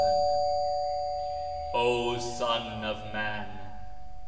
[K] O Son of Man